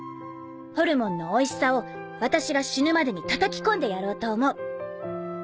ホルモンのおいしさを私が死ぬまでにたたき込んでやろうと思う。